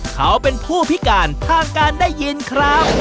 เขาเป็นผู้พิการทางการได้ยินครับ